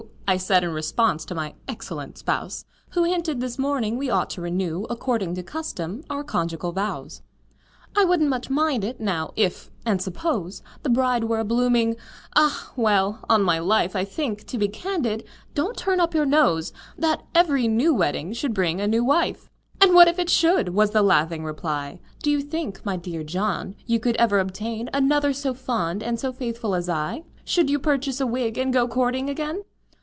I said in response to my excellent spouse, Who hinted, this morning, we ought to renew According to custom, our conjugal vows. "I wouldn't much mind it, now—if—and suppose— The bride were a blooming—Ah! well—on my life, I think—to be candid—(don't turn up your nose!) That every new wedding should bring a new wife!" "And what if it should?" was the laughing reply; "Do you think, my dear John, you could ever obtain Another so fond and so faithful as I, Should you purchase a wig, and go courting again?"